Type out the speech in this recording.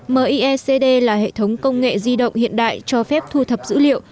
miecd là hệ thống công nghệ di động hiện đại cho phép thu thập dữ liệu